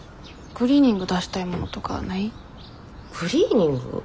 クリーニング？